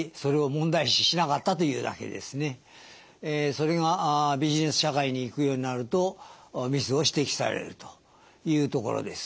それがビジネス社会にいくようになるとミスを指摘されるというところです。